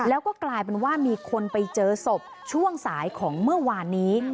แล้วก็กลายเป็นว่ามีคนไปเจอศพช่วงสายของเมื่อวานนี้